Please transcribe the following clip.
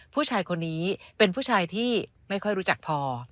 ผู้ชายคนนี้เป็นผู้ชายที่ไม่ค่อยรู้จักพอ